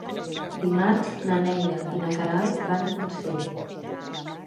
Dimarts na Neida i na Queralt van a Consell.